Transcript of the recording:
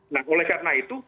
nah oleh karena itu